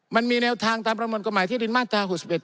มันมีแนวทางตามประมวลกฎหมายที่ดินมาตรา๖๑